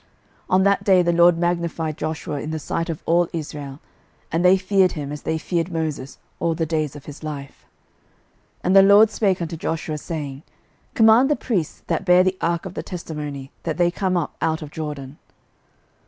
06:004:014 On that day the LORD magnified Joshua in the sight of all Israel; and they feared him, as they feared Moses, all the days of his life. 06:004:015 And the LORD spake unto Joshua, saying, 06:004:016 Command the priests that bear the ark of the testimony, that they come up out of Jordan.